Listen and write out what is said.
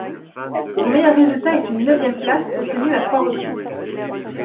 Son meilleur résultat est une neuvième place, obtenue à trois reprises.